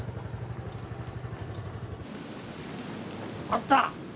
あった！